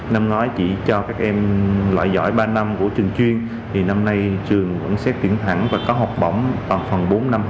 năm ngoái chỉ cho các em loại giỏi ba năm của trường chuyên thì năm nay trường vẫn sách tuyển thẳng và có học bổng toàn phần bốn năm